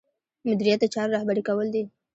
مدیریت د چارو رهبري کول دي.